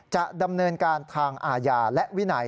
จะดำเนินการทางอาญาและวินัย